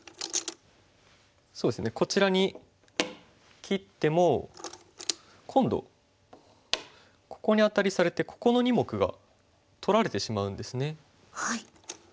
そうですねこちらに切っても今度ここにアタリされてここの２目が取られてしまうんですね。